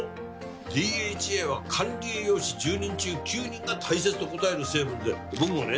ＤＨＡは管理栄養士１０人中９人が大切と答える成分で僕もね